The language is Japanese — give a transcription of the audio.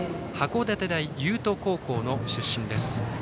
函館大有斗高校の出身です。